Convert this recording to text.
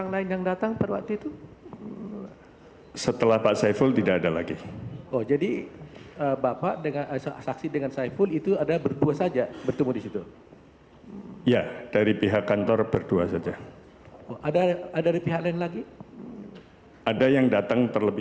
tidak tahu persis ya